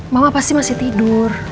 mama pasti masih tidur